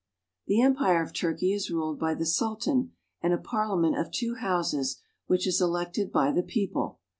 The Empire of Turkey is ruled by the Sultan and a Parliament of two Houses which is elected by the people.